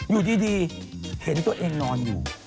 อยู่ดีเห็นตัวเองนอนอยู่